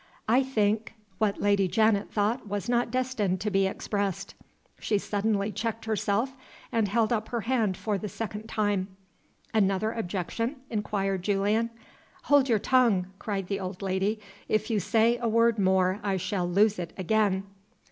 I think " What Lady Janet thought was not destined to be expressed. She suddenly checked herself, and held up her hand for the second time. "Another objection?" inquired Julian. "Hold your tongue!" cried the old lady. "If you say a word more I shall lose it again."